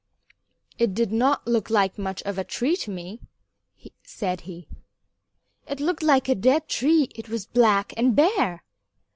"It did not look like much of a tree to me," said he; "it looked like a dead tree. It was black and bare."